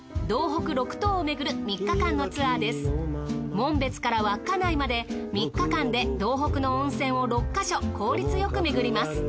紋別から稚内まで３日間で道北の温泉を６か所効率よくめぐります。